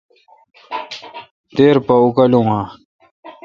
دیر پا اوکالوں ا۔